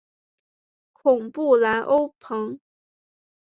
孔布兰欧蓬。